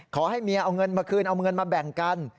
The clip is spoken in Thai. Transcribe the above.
ขอให้เมียเอาเงินมาคืนเอาเงินมาแบ่งกัน